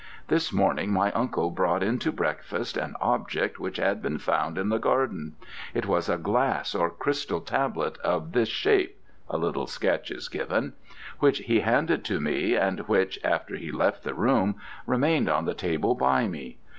This morning my uncle brought in to breakfast an object which had been found in the garden; it was a glass or crystal tablet of this shape (a little sketch is given), which he handed to me, and which, after he left the room, remained on the table by me.